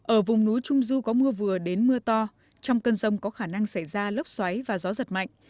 ở vùng núi trung du có mưa vừa đến mưa to trong cơn rông có khả năng xảy ra lốc xoáy và gió giật mạnh